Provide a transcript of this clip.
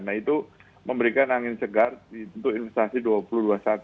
nah itu memberikan angin segar untuk investasi dua ribu dua puluh satu